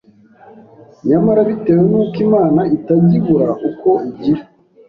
Nyamara bitewe n’uko Imana itajya ibura uko igira